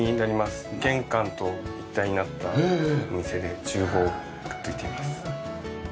玄関と一体になったお店で厨房がくっついています。